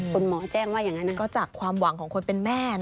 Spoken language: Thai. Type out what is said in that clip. คุณหมอแจ้งว่าอย่างนั้นก็จากความหวังของคนเป็นแม่